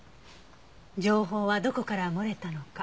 情報はどこから漏れたのか。